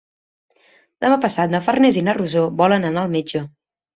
Demà passat na Farners i na Rosó volen anar al metge.